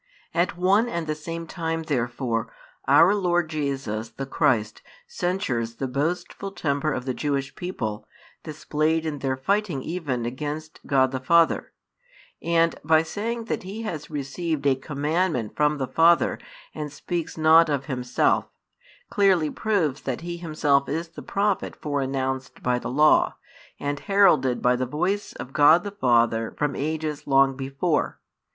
At one and the same time therefore our Lord Jesus the Christ censures the boastful temper of the Jewish people, displayed in their fighting even, |168 against God the Father; and, by saying that He has received a commandment from the Father and speaks not of Himself, clearly proves that He Himself is the Prophet fore announced by the Law and heralded by the voice of God the Father from ages long before.